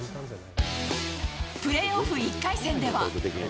プレーオフ１回戦では。